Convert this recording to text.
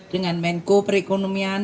dengan menko perekonomian